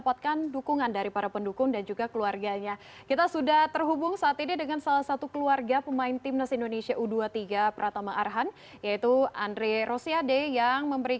wow bang andre ini bagaimana euforia pendukung timnas indonesia u dua puluh tiga di qatar di sana nih